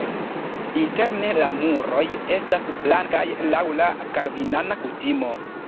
Interne la muroj estas blankaj laŭ la kalvinana kutimo.